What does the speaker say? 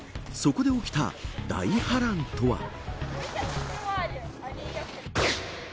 そこで起きた大波乱とは。